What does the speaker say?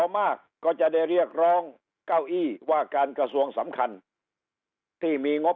มากก็จะได้เรียกร้องเก้าอี้ว่าการกระทรวงสำคัญที่มีงบ